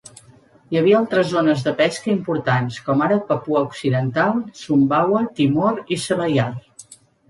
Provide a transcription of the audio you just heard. Hi havia altres zones de pesca importants, com ara Papua Occidental, Sumbawa, Timor i Selayar.